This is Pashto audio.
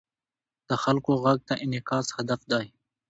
د خلکو غږ ته انعکاس هدف دی.